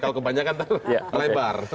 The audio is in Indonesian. kalau kebanyakan terlebar